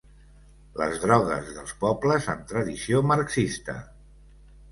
Les drogues dels pobles amb tradició marxista.